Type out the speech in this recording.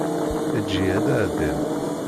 Eǧǧ-iyi ad ɛeddiɣ.